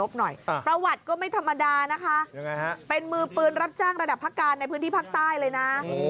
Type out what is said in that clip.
ประวัติก็ไม่ธรรมดานะคะยังไงฮะเป็นมือปืนรับจ้างระดับพักการในพื้นที่ภาคใต้เลยนะ